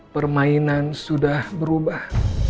permainan sudah berubah